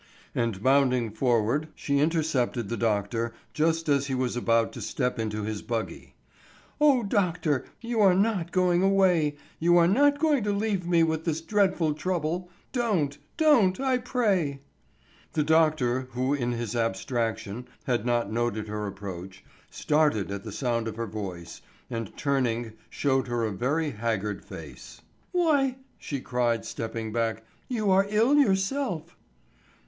And bounding forward she intercepted the doctor, just as he was about to step into his buggy. "O doctor, you are not going away; you are not going to leave me with this dreadful trouble; don't, don't, I pray!" The doctor, who in his abstraction had not noted her approach, started at the sound of her voice, and turning showed her a very haggard face. "Why," she cried, stepping back, "you are ill yourself."